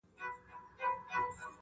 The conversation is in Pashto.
اور د میني بل نه وي بورا نه وي.!